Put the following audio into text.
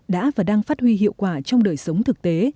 đã và đang phát huy hiệu quả trong đời sống thực tế